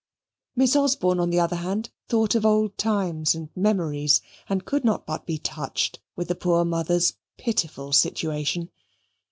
Miss Osborne, on the other hand, thought of old times and memories and could not but be touched with the poor mother's pitiful situation.